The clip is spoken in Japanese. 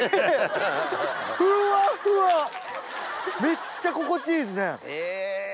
めっちゃ心地いいですね！